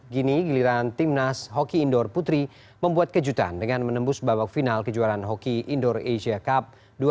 gini giliran timnas hoki indoor putri membuat kejutan dengan menembus babak final kejuaraan hoki indoor asia cup dua ribu dua puluh